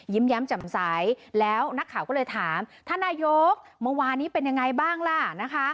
แย้มจำใสแล้วนักข่าวก็เลยถามท่านนายกเมื่อวานนี้เป็นยังไงบ้างล่ะนะคะ